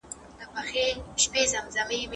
زه به ډوډۍ پخه کړې وي.